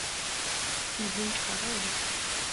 已经查到了